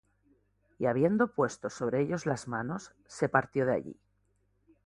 Y habiendo puesto sobre ellos las manos se partió de allí.